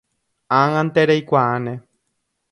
Ág̃ante reikuaáne